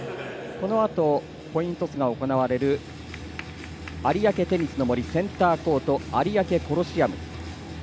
このあとコイントスが行われる有明テニスの森センターコート、有明コロシアム。